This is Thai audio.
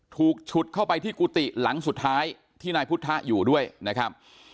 ฉุดเข้าไปที่กุฏิหลังสุดท้ายที่นายพุทธอยู่ด้วยนะครับ